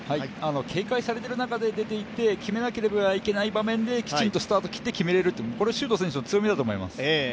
警戒されている中で出ていって決めなければいけない場面で、きちっとスタートを切って決めれる、これ、周東選手の強みだと思います。